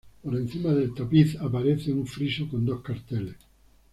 Por encima del tapiz aparece un friso con dos carteles.